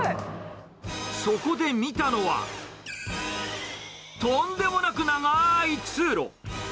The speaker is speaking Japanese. そこで見たのは、とんでもなく長ーい通路。